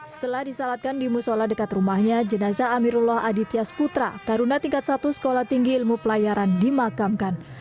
setelah disalatkan di musola dekat rumahnya jenazah amirullah aditya sputra taruna tingkat satu sekolah tinggi ilmu pelayaran dimakamkan